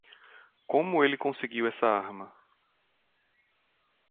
Como ele conseguiu essa arma?